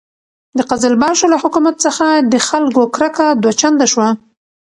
د قزلباشو له حکومت څخه د خلکو کرکه دوه چنده شوه.